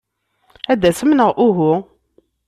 Ad d-tasem neɣ uhu?